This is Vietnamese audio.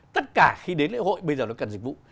tất cả khi đến lễ hội bây giờ nó cần dịch vụ